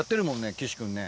岸君ね。